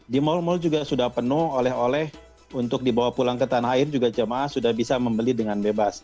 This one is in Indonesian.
di mal mal juga sudah penuh oleh oleh untuk dibawa pulang ke tanah air juga jemaah sudah bisa membeli dengan bebas